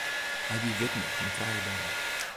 Hy wie widner mei trije bern.